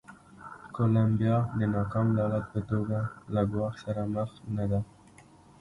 کولمبیا د ناکام دولت په توګه له ګواښ سره مخ نه ده.